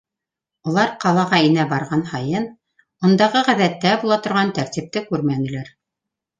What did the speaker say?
Улар ҡалаға инә барған һайын, ундағы ғәҙәттә була торған тәртипте күрмәнеләр.